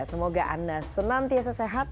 semoga anda senantiasa sehat